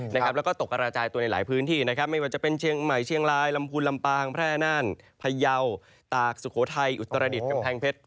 แล้วก็ตกกระจายตัวในหลายพื้นที่นะครับไม่ว่าจะเป็นเชียงใหม่เชียงรายลำพูนลำปางแพร่นั่นพยาวตากสุโขทัยอุตรดิษฐกำแพงเพชร